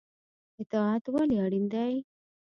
اطاعت ولې اړین دی؟